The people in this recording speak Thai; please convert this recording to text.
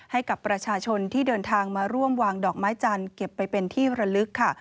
ให้กับประชาชนที่เดินทางมาร่วมวางดอกไม้จันทร์เก็บไปเป็นที่ระลึกค่ะ